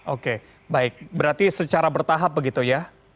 oke baik berarti secara bertahap begitu ya